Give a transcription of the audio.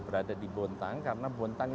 berada di bontang karena bontang